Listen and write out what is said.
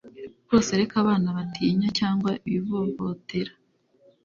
rwose Reka abana batinya cyangwa bivovotera